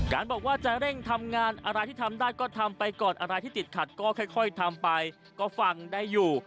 บอกว่าจะเร่งทำงานอะไรที่ทำได้ก็ทำไปก่อนอะไรที่ติดขัดก็ค่อยทำไปก็ฟังได้อยู่